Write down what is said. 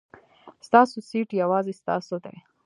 ستاسو سېټ یوازې ستاسو دی.